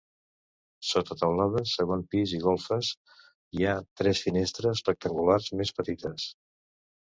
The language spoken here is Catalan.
Sota teulada, segon pis i golfes, hi ha tres finestres rectangulars més petites.